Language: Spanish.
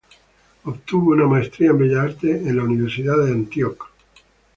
Obtuvo una Maestría en Bellas Artes en la Universidad de Antioch.